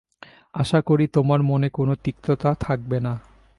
আশা করি, তোমার মনে কোন তিক্ততা থাকবে না।